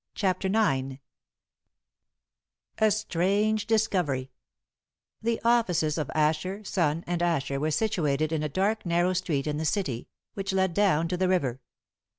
CHAPTER IX A STRANGE DISCOVERY The offices of Asher, Son, and Asher were situated in a dark, narrow street in the City, which led down to the river.